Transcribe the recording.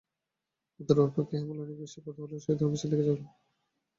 উত্তরের অপেক্ষায় হেমনলিনী বিশেষ কৌতূহলের সহিত রমেশের দিকে চাহিল।